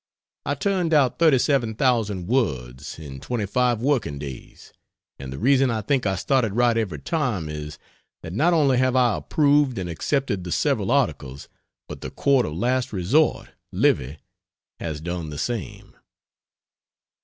I turned out 37,000 words in 25 working days; and the reason I think I started right every time is, that not only have I approved and accepted the several articles, but the court of last resort (Livy) has done the same.